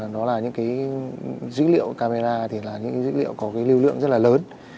đó là những cái dữ liệu camera thì là những dữ liệu có cái lưu lượng rất là lớn